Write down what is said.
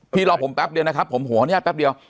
พี่รอผมแป๊บเดียวนะครับผมหัวเนี้ยแป๊บเดียว